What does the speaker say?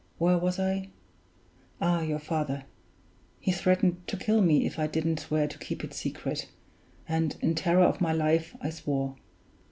Where was I? Ah, your father! He threatened to kill me if I didn't swear to keep it secret; and in terror of my life I swore.